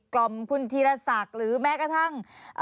ล่อมคุณธีรศักดิ์หรือแม้กระทั่ง